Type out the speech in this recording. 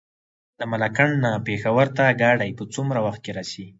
د ملاکنډ نه پېښور ته ګاډی په څومره وخت کې رسي؟